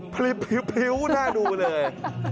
พริ้วหน้าดูเลย